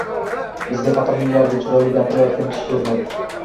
Bizga faqat minbarda chiroyli gapirayotgan kishi ko’rinadi